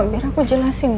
bambir aku jelasinnya